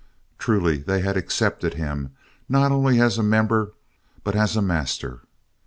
Truly they had accepted him not only as a member but as a master!